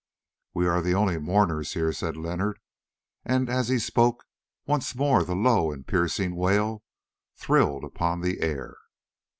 "We are the only mourners here," said Leonard, and as he spoke once more the low and piercing wail thrilled upon the air.